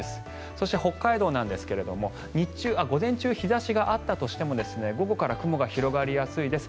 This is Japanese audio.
そして、北海道なんですが午前中、日差しがあったとしても午後から雲が広がりやすいです。